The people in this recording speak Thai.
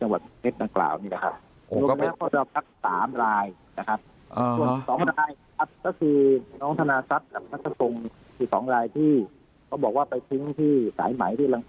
ท่องเช่นกันต่อมาเด็กเริ่มป่วยและก็ฝีชีวิตลง